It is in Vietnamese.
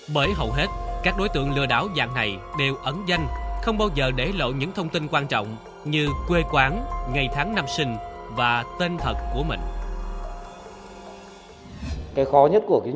bởi hầu hết các đối tượng lừa đảo dạng này đều ẩn danh không bao giờ để lộ những thông tin quan trọng như quê quán ngày tháng năm sinh và tên thật của mình